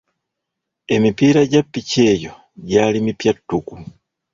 Emipiira gya ppiki eyo gyali mipya ttuku.